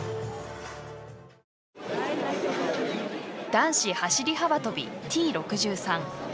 男子走り幅跳び、Ｔ６３。